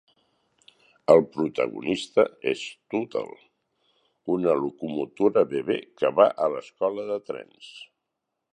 El protagonista és Tootle, una locomotora bebè que va a l'escola de trens.